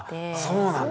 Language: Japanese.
そうなんだ。